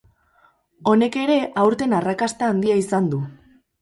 Honek ere aurten arrakasta handia izan du.